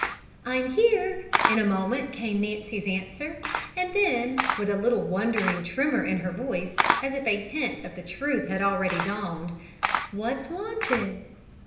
"I'm here!" in a moment came Nancy's answer, and then, with a little wondering tremor in her voice, as if a hint of the truth had already dawned: "What's wanted?"